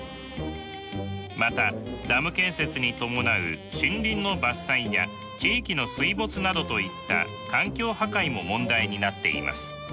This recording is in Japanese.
またダム建設に伴う森林の伐採や地域の水没などといった環境破壊も問題になっています。